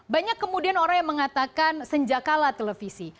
banyak kemudian orang yang mengatakan senjakala televisi